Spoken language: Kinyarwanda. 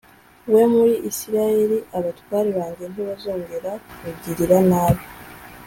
we muri isirayeli abatware banjye ntibazongera kugirira nabi